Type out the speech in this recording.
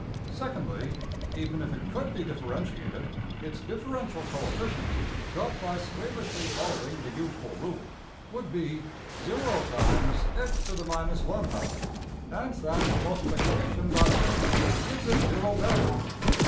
\emph{Secondly}, even if it could be differentiated, its differential coefficient (got by slavishly following the usual rule) would be $0 × x^{ 1}$, and that multiplication by zero gives it zero value!